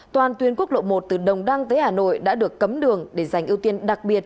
toàn tuyến quốc lộ một từ đồng đăng tới hà nội đã được cấm đường để giành ưu tiên đặc biệt